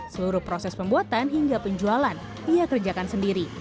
seluruh proses pembuatan hingga penjualan ia kerjakan sendiri